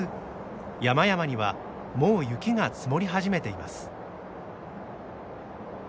山々にはもう雪が積もり始めています。